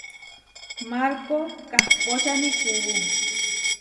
Markó kahpóčani kuú.